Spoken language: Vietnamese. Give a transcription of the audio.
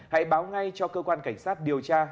hãy báo ngay cho cơ quan cảnh sát điều tra